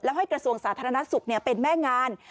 ให้กระทรวงสาธารณสุขเป็นแม่งาน